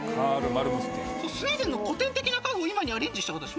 スウェーデンの古典的な家具を今にアレンジした方です